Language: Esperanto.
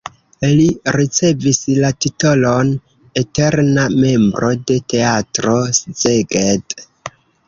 Li ricevis la titolon "eterna membro de Teatro Szeged".